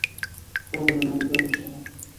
هو، د ملګرو سره